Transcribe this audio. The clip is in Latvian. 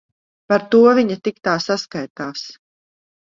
Par to viņa tik tā saskaitās.